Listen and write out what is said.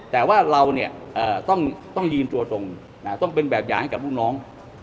แต่ว่าเราต้องยืนตัวตรงต้องเป็นแบบอย่างให้กับลูกน้อง